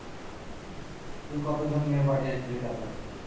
তুই কতজন মেয়ে পাঠিয়েছিলি তার কাছে?